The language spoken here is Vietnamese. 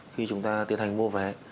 khi chúng ta tiến hành mua vé